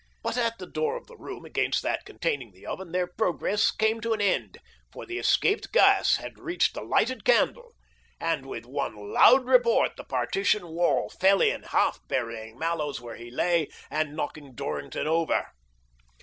But at the door of the room against that con taining the oven their progress came to an end. 196 THE DOEBINGTON DEED BOX for the escaped gas had reached the lighted candle, and with one loud report the partition wall fell in, half burying Mallows where he lay, and knocking Dorrington over.